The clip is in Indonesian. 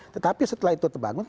tetapi setelah itu terbangun